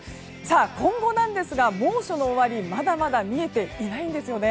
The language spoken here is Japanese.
今後なんですが、猛暑の終わりまだまだ見えていないんです。